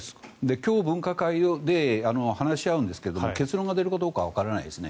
今日、分科会で話し合うんですが結論が出るかどうかわからないですね。